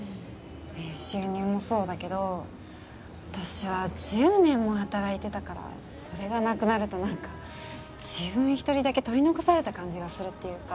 収入もそうだけど私は１０年も働いてたからそれが無くなると何か自分１人だけ取り残された感じがするっていうか。